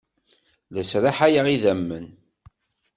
La sraḥayeɣ idammen.